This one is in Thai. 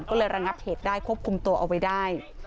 ก็เลยระงับเหตุได้ควบคุมตัวเอาไว้ได้